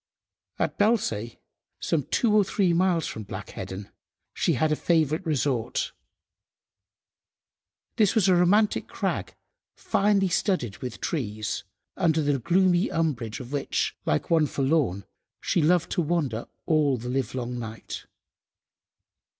At Belsay, some two or three miles from Black Heddon, she had a favourite resort. This was a romantic crag finely studded with trees, under the gloomy umbrage of which, "like one forlorn," she loved to wander all the live–long night.